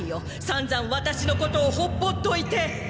さんざんワタシのことをほっぽっといて！